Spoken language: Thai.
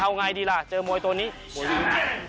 เอาไงดีล่ะเจอมวยตัวนี้มวยดี